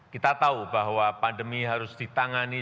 kita tahu bahwa pandemi harus ditangani